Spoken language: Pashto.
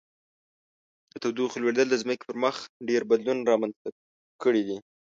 د تودوخې لوړیدل د ځمکې پر مخ ډیر بدلونونه رامنځته کړي دي.